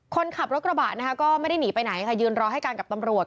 คนขับรถกระบะนะคะก็ไม่ได้หนีไปไหนค่ะยืนรอให้กันกับตำรวจ